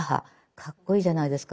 かっこいいじゃないですか。